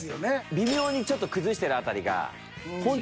微妙にちょっと崩してる辺りが。